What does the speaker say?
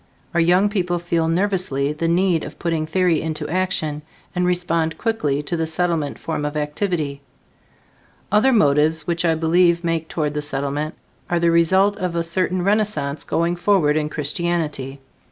Our young people feel nervously the need of putting theory into action, and respond quickly to the Settlement form of activity. Other motives which I believe make toward the Settlement are the result of a certain renaissance going forward in Christianity.